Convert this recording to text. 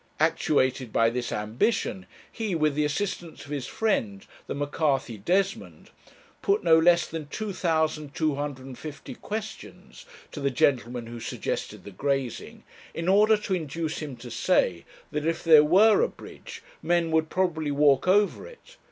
Actuated by this ambition, he, with the assistance of his friend, the M'Carthy Desmond, put no less than 2,250 questions to the gentleman who suggested the grazing, in order to induce him to say, that if there were a bridge, men would probably walk over it.